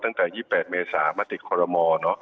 ตั้งแต่๒๘เมษามาติดคอรมอล